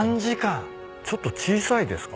ちょっと小さいですか？